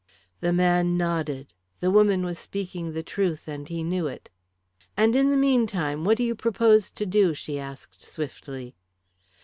The man nodded. The woman was speaking the truth, and he knew it. "And in the meantime what do you propose to do?" she asked, swiftly.